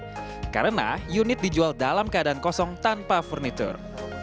karena unit dijual dalam keadaan kosong tanpa furnitur